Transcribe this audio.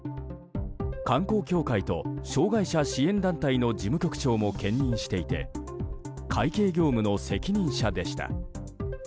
観光協会と障害者支援団体の事務局長も兼任していて会計業務の責任者でした。